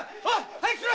早くしろ！